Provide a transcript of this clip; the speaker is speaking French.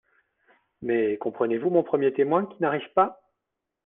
Mais comprenez-vous mon premier témoin qui n’arrive pas ?